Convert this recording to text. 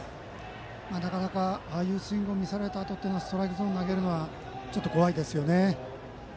なかなか、ああいうスイングを見せられたあとはストライクゾーンに投げるのは怖いですよね。